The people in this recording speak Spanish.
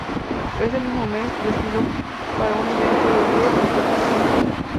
Ese mismo mes, desfiló para un evento de Dior en Tokyo.